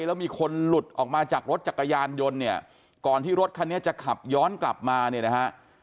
แล้วมีคนหลุดออกมาจากรถจักรยานยนต์เนี่ยก่อนที่รถคันนี้จะขับย้อนกลับมาเนี่ยนะฮะ